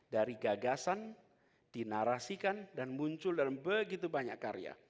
dari gagasan dinarasikan dan muncul dalam begitu banyak karya